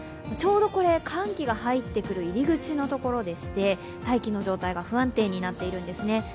ちょうど寒気が入ってくる入り口のところでして大気の状態が不安定になっているんですね。